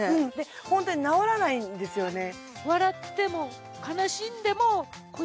線が本当になおらないんですよね